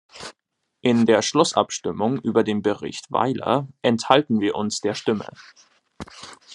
In der Schlussabstimmung über den Bericht Weiler enthalten wir uns der Stimme.